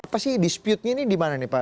apa sih disputenya ini dimana nih pak